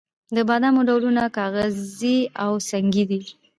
د بادامو ډولونه کاغذي او سنګي دي.